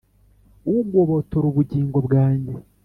ugobotora ubugingo bwanjye;